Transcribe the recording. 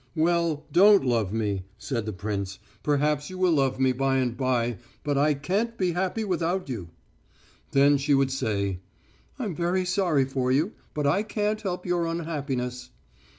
"Well, don't love me," said the prince; "perhaps you will love me by and by, but I can't be happy without you." Then she would say, "I'm very sorry for you, but I can't help your unhappiness."